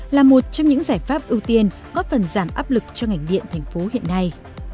là một trong những giải pháp ưu tiên góp phần giảm áp lực cho ngành điện thành phố hiện nay